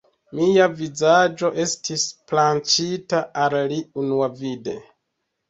Mia vizaĝo estis plaĉinta al li unuavide.